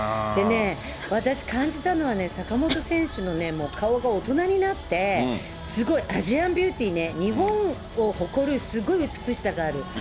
でね、私感じたのは、坂本選手のね、顔が大人になって、すごいアジアンビューティーね、日本を誇るすごい美しさがある。